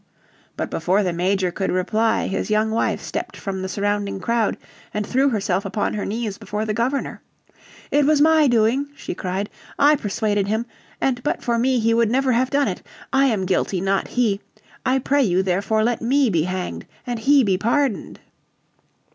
But before the Major could reply his young wife stepped from the surrounding crowd, and threw herself upon her knees before the Governor. "It was my doing," she cried. " I persuaded him, and but for me he would never have done it. I am guilty, not he. I pray you therefore let me be hanged, and he be pardoned."